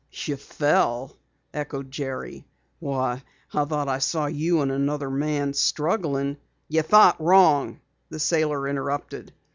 "You fell?" echoed Jerry. "Why, I thought I saw you and another man struggling " "You thought wrong," the sailor interrupted.